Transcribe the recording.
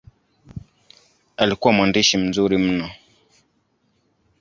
Alikuwa mwandishi mzuri mno.